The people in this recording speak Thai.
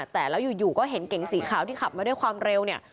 แต่แล้วอยู่ก็เห็นเก๋งสีขาวที่ขับมาด้วยความเร็วเนี่ย